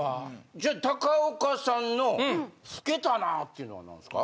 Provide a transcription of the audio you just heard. じゃあ高岡さんの「老けたな」っていうのは何ですか？